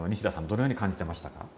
どのように感じてましたか？